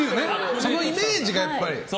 そのイメージがやっぱり。